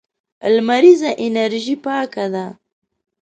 لمريزه انرژي پاکه ده.